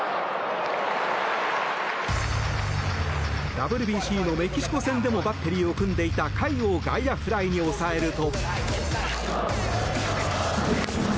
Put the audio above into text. ＷＢＣのメキシコ戦でもバッテリーを組んでいた甲斐を外野フライに抑えると。